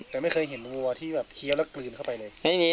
แต่ไม่เคยเห็นวัวที่แบบเคี้ยวแล้วกลืนเข้าไปเลย